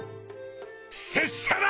拙者だー！